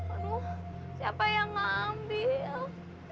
aduh siapa yang ngambil